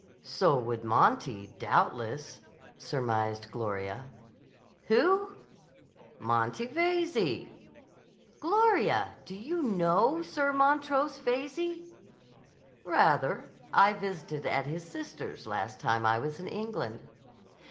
"So would Monty, doubtless," surmised Gloria. "Who?" "Monty Veyze." "Gloria! Do you know Sir Montrose Veyze?" "Rather. I visited at his sister's last time I was in England."